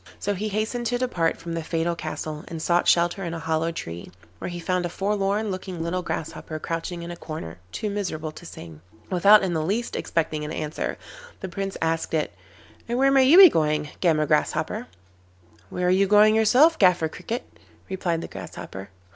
So he hastened to depart from the fatal castle, and sought shelter in a hollow tree, where he found a forlorn looking little Grasshopper crouching in a corner, too miserable to sing. Without in the least expecting an answer, the Prince asked it: 'And where may you be going, Gammer Grasshopper?' 'Where are you going yourself, Gaffer Cricket?' replied the Grasshopper.